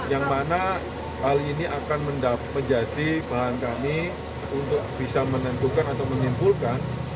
yang mana hal ini akan menjadi bahan kami untuk bisa menentukan atau menyimpulkan